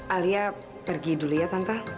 alia pergi dulu ya tantah